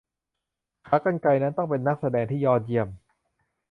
ขากรรไกรนั้นต้องเป็นนักแสดงที่ยอดเยี่ยม